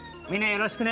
よろしく！